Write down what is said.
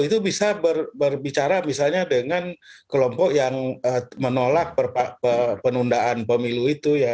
itu bisa berbicara misalnya dengan kelompok yang menolak penundaan pemilu itu ya